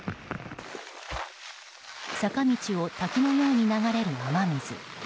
坂道を滝のように流れる雨水。